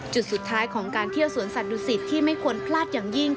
จุดสุดท้ายของการเที่ยวสวนสัตว์ดุสิตที่ไม่ควรพลาดอย่างยิ่ง